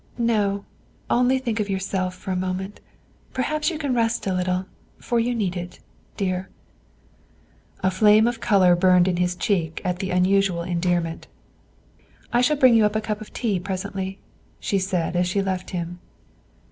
"No, only think of yourself for a moment; perhaps you can rest a little, for you need it, dear." A flame of color burned in his cheek at the unusual endearment. "I shall bring you a cup of tea presently," she said as she left him.